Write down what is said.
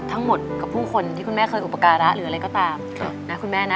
ทั้งหมดกับผู้คนที่คุณแม่เคยอุปการะหรืออะไรก็ตามนะคุณแม่นะ